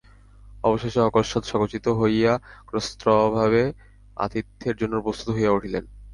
অবশেষে অকস্মাৎ সচকিত হইয়া ত্রস্তভাবে আতিথ্যের জন্য প্রস্তুত হইয়া উঠিলেন।